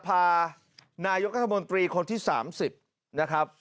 พานายกรัฐมนตรีคนที่๓๐นะครับ